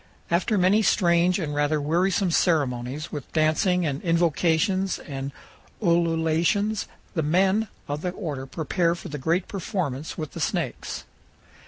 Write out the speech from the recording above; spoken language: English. After many strange and rather wearisome ceremonies, with dancing and invocations and ululations, the men of the order prepare for the great performance with the snakes.